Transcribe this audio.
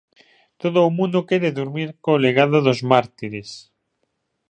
Todo o mundo quere durmir co legado dos mártires.